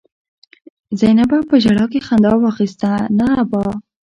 زينبه په ژړا کې خندا واخيسته: نه ابا!